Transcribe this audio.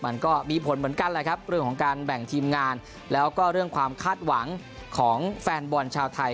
มันก็มีผลเหมือนกันแหละครับเรื่องของการแบ่งทีมงานแล้วก็เรื่องความคาดหวังของแฟนบอลชาวไทย